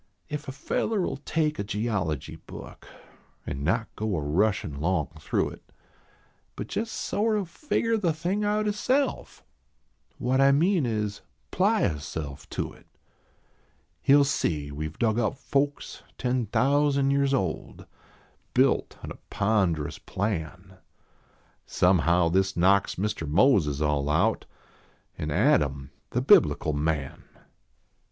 If a feller 11 take a geology book An not go a rushin long through it, But jes sort o figger the thing out hisself What I mean is : ply hisself to it He ll see we ve dug up folks ten thousand years old, Built on a ponderous plan ; Somehow this knocks Mr. Moses all out An Adam, the biblical man.